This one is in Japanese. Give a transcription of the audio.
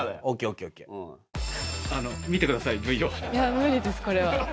無理です、これは。